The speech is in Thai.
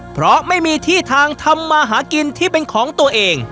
เพราะไม่มีที่ทางทำมาหากินที่เป็นของตัวเอง